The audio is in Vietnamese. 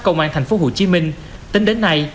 công an tp hcm tính đến nay